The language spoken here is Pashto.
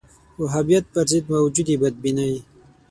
وهابیت پر ضد موجودې بدبینۍ